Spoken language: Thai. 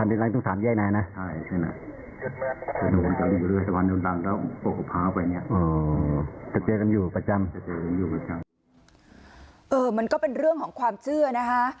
มันก็เป็นเรื่องของความเชื่อนะคะ